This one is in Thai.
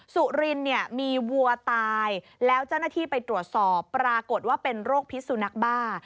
สุรินเนี่ยมีวัวตายแล้วเจ้าหน้าที่ไปตรวจสอบปรากฏว่าเป็นโรคพิษสุนัขบ้า